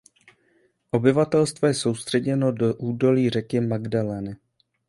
Obyvatelstvo je soustředěno do údolí řeky Magdaleny.